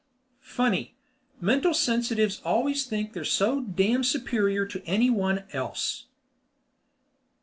Funny. Mental sensitives always think they're so damn superior to anyone else.